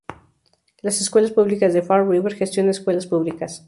Las Escuelas Públicas de Fall River gestiona escuelas públicas.